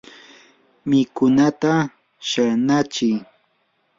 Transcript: mikunata shanachi.